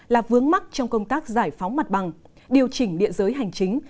là vướng mắt trong công tác giải phóng mặt bằng điều chỉnh địa giới hành chính